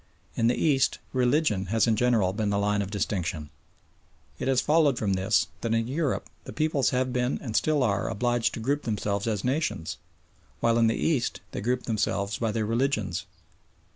In the East religion has in general been the line of distinction. It has followed from this that in Europe the peoples have been and still are obliged to group themselves as nations, while in the East they group themselves by their religions.